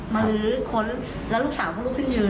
ลื้อค้นแล้วลูกสาวก็ลุกขึ้นยืน